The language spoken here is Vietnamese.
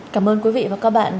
cảm ơn quý vị và các bạn